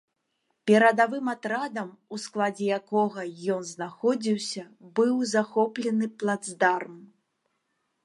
Перадавым атрадам, у складзе якога ён знаходзіўся быў захоплены плацдарм.